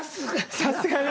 さすがにな。